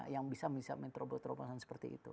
yang bisa menyiapkan terobosan seperti itu